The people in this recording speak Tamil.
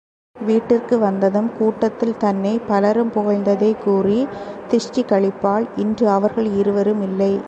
வீட்டிற்கு வந்ததும், கூட்டத்தில் தன்னை பலரும் புகழ்ந்ததைக் கூறி திருஷ்டி கழிப்பாள் இன்று அவர்கள் இருவரும் இல்லை.